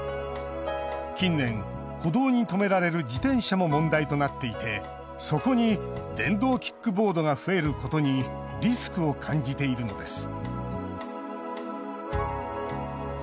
近年歩道に止められる自転車も問題となっていてそこに電動キックボードが増えることにリスクを感じているのです。